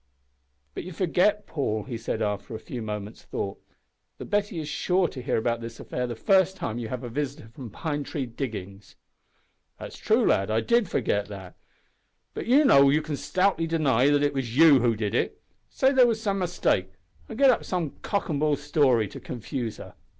"But you forget, Paul," he said, after a few moments' thought, "that Betty is sure to hear about this affair the first time you have a visitor from Pine Tree Diggings." "That's true, lad, I did forget that. But you know you can stoutly deny that it was you who did it. Say there was some mistake, and git up some cock an' a bull story to confuse her.